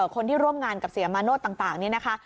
คนที่ร่วมงานกับเสียมาโนธต่างนี่นะคะ